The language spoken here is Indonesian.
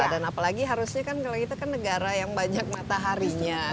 dan apalagi harusnya kan kita kan negara yang banyak mataharinya